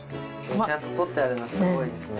ちゃんと取ってあるのすごいですね。